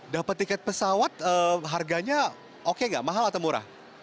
dapat tiket pesawat harganya oke nggak mahal atau murah